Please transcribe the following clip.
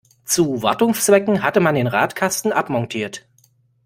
Zu Wartungszwecken hatte man den Radkasten abmontiert.